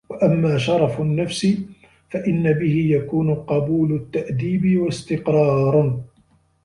وَأَمَّا شَرَفُ النَّفْسِ فَإِنَّ بِهِ يَكُونُ قَبُولُ التَّأْدِيبِ ، وَاسْتِقْرَارُ